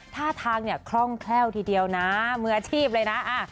ท่าทางเนี่ยคล่องแคล่วทีเดียวนะมืออาชีพเลยนะ